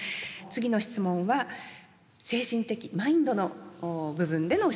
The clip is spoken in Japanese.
次の質問は精神的マインドの部分での質問となります。